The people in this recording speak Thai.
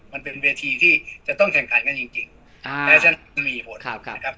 มันเป็นเวทีที่จะต้องแข่งขันกันจริงจริงอ่าและฉะนั้นมีผลครับครับ